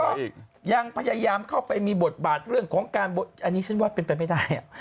ก็ยังพยายามเข้าไปมีบทบาทเรื่องของการอันนี้ฉันว่าเป็นไปไม่ได้